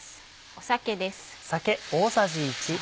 酒です。